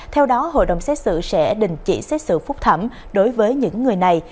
theo đó hội đồng xét xử sẽ đình chỉ xét xử phúc thẩm đối với những người này